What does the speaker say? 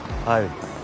はい。